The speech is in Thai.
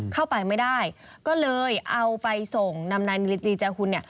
เข้าไปไม่ได้ก็เลยเอาไปส่งนำนายลีเจ้าหุ่น